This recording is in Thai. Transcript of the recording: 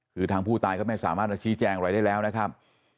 คือทางผู้ตายก็ไม่สามารถมาชี้แจงอะไรได้แล้วนะครับ